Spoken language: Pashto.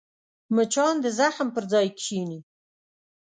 مچان د زخم پر ځای کښېني